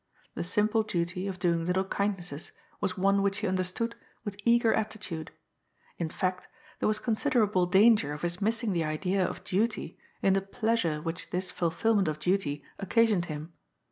The simple duty of doing little kindnesses was one which he understood with eager aptitude ; in fact, there was considerable danger of his missing the idea of duty in the pleasure which this fulfilment of duty occasioned him.